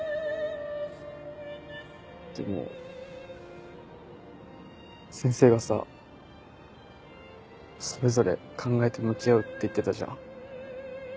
でも先生がさそれぞれ考えて向き合うって言ってたじゃん？